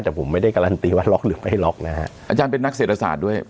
แต่ผมไม่ได้การันตีว่าล็อกหรือไม่ล็อกนะฮะอาจารย์เป็นนักเศรษฐศาสตร์ด้วย